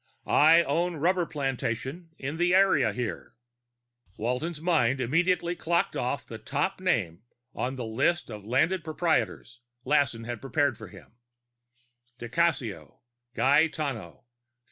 I own rubber plantation in the area here." Walton's mind immediately clocked off the top name on the list of landed proprietors Lassen had prepared for him: _di Cassio, Gaetano.